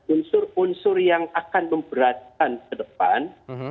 unsur unsur yang akan memberatkan ke depan